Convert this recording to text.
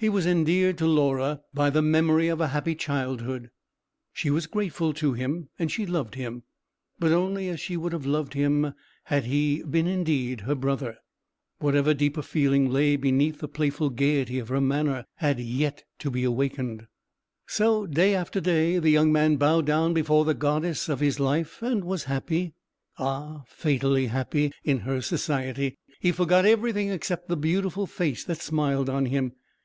He was endeared to Laura by the memory of a happy childhood. She was grateful to him, and she loved him: but only as she would have loved him had he been indeed her brother. Whatever deeper feeling lay beneath the playful gaiety of her manner had yet to be awakened. So, day after day, the young man bowed down before the goddess of his life, and was happy—ah, fatally happy!—in her society. He forgot everything except the beautiful face that smiled on him.